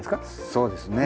そうですね。